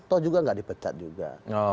toh juga nggak dipecat juga